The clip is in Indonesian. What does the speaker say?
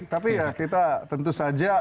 tapi ya kita tentu saja